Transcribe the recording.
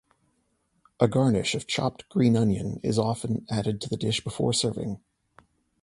A garnish of chopped green onion is often added to the dish before serving.